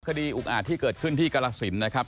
อุกอาจที่เกิดขึ้นที่กรสินนะครับ